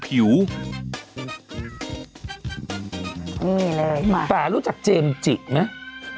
นี่เลยป่ารู้จักเจมส์จิไหม